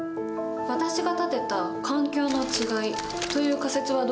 私が立てた「環境の違い」という仮説はどうかしら。